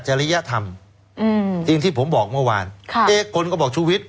ริยธรรมอืมสิ่งที่ผมบอกเมื่อวานค่ะเอ๊ะคนก็บอกชุวิต